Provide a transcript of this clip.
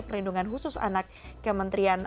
perlindungan khusus anak kementerian